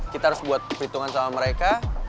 kita harus buat perhitungan sama mereka